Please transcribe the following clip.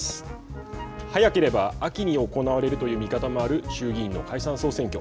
早ければ秋に行われる見方もある衆議院の解散・総選挙。